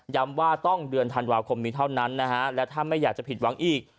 ว่าต้องเดือนธันวาคมนี้เท่านั้นนะฮะและถ้าไม่อยากจะผิดหวังอีก